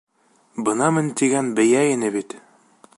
Бынамын тигән бейә ине бит!